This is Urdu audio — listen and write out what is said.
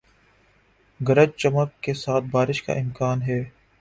گرج چمک کے ساتھ بارش کا امکان ہے